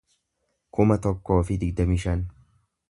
kuma tokkoo fi digdamii shan